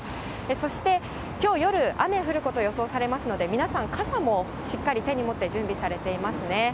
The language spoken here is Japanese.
そしてきょう夜、雨降ること予想されますので、皆さん、傘もしっかり手に持って準備されていますね。